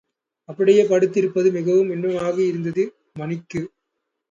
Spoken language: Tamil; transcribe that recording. அப்படியே படுத்து இருப்பது மிகவும் இன்பமாகவும் இருந்தது மணிக்கு.